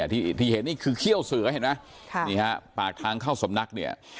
ที่เห็นนี่คือเขี้ยวเสือเห็นไหมนี่ฮะปากทางเข้าสำนักเนี่ย